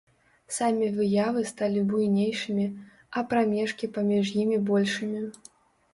Самі выявы сталі буйнейшымі, а прамежкі паміж імі большымі.